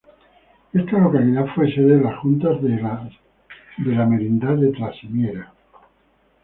Esta localidad fue sede de las juntas de la Merindad de Trasmiera.